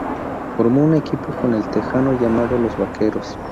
Formó un equipo con El Texano, llamado "Los Vaqueros".